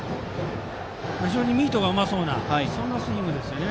非常にミートがうまそうなそんなスイングですね。